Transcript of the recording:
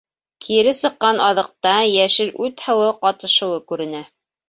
- кире сыҡҡан аҙыҡта йәшел үт һыуы ҡатышыуы күренә